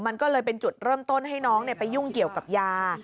มันก็เลยเป็นจุดเริ่มต้นให้น้องไปยุ่งเกี่ยวกับยา